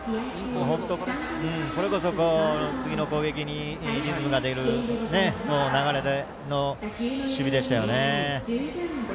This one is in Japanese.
これこそ次の攻撃にリズムが出る流れの守備でしたね。